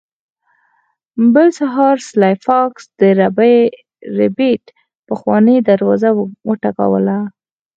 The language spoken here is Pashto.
بل سهار سلای فاکس د ربیټ پخوانۍ دروازه وټکوله